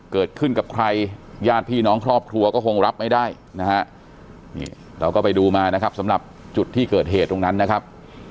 เกิดขึ้นกับใครญาติพี่น้องครอบครัวก็คงรับไม่ได้นะฮะนี่เราก็ไปดูมานะครับสำหรับจุดที่เกิดเหตุตรงนั้นนะครับ